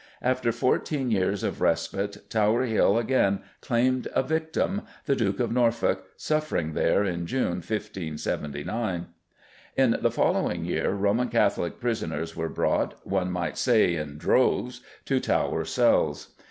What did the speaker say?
After fourteen years of respite, Tower Hill again claimed a victim, the Duke of Norfolk suffering there in June 1579. In the following year Roman Catholic prisoners were brought, one might say in droves, to Tower cells.